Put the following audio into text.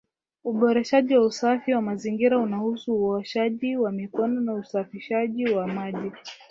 Uboreshaji wa usafi wa mazingira unahusu uoshaji wa mikono na ushafishaji wa maji